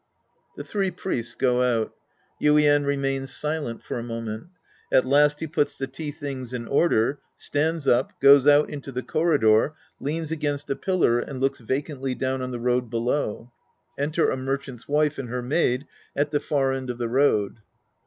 (The three Priests go out. Yuien remains silent for a moment. At last he puts the tea things in order, stands up, goes out into the corridor, leans against a pillar and looks vacantly down on the road below. Enter a merchant's Wife and her Maid at the far end of the road.)